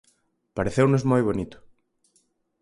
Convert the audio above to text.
Pareceunos moi bonito.